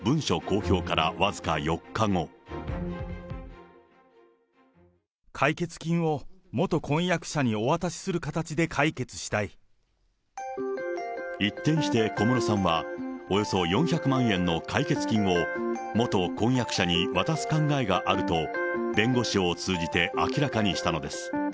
ところが小室さんの文書公表から解決金を元婚約者にお渡しす一転して小室さんは、およそ４００万円の解決金を元婚約者に渡す考えがあると、弁護士を通じて明らかにしたのです。